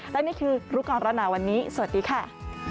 และนี่คือรุกรณะวันนี้สวัสดีค่ะ